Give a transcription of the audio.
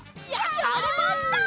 やりました！